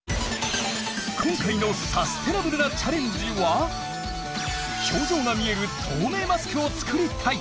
今回のサステナブルなチャレンジは表情が見える透明マスクを作りたい！